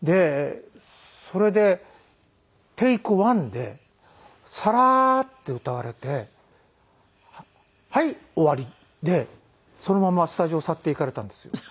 それでテイク１でサラーッて歌われて「はい終わり」でそのままスタジオ去っていかれたんですよ。